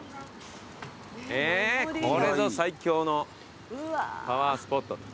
これぞ最強のパワースポット。